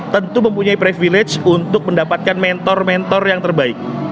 tentu mempunyai privilege untuk mendapatkan mentor mentor yang terbaik